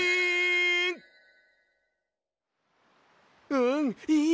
うんいい！